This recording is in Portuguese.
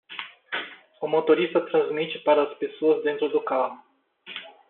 O motorista transmite para as pessoas dentro do carro